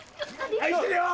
愛してるよ！